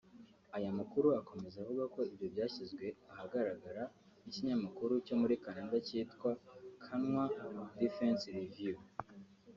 Aya makuru akomeza avuga ko ibyo byashyizwe ahagaragara n’ikinyamakuru cyo muri Canada cyitwa Kanwa Defense Review